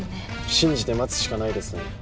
信じて待つしかないですね。